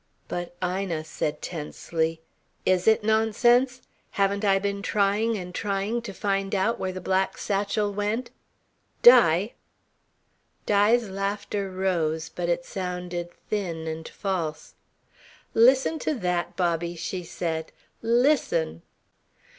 But Ina said tensely: "Is it nonsense? Haven't I been trying and trying to find out where the black satchel went? Di!" Di's laughter rose, but it sounded thin and false. "Listen to that, Bobby," she said. "Listen!"